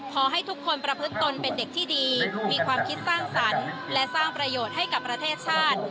ขอให้ทุกคนประพฤติตนเป็นเด็กที่ดีมีความคิดสร้างสรรค์และสร้างประโยชน์ให้กับประเทศชาติ